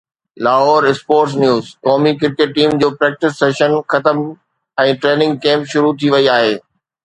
Lahore (sports news) قومي cricket team جو practice session ختم ۽ ٽريننگ ڪيمپ شروع ٿي وئي آهي